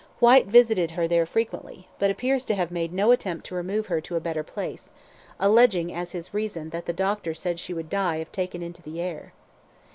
Whyte visited her there frequently, but appears to have made no attempt to remove her to a better place, alleging as his reason that the doctor said she would die if taken into the air.